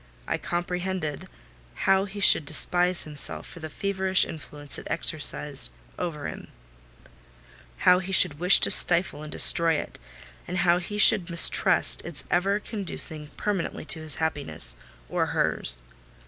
I comprehended how he should despise himself for the feverish influence it exercised over him; how he should wish to stifle and destroy it; how he should mistrust its ever conducting permanently to his happiness or hers.